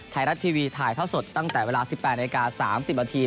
ไทยรัฐทีวีถ่ายท่อสดตั้งแต่เวลา๑๘นาที๓๐นาที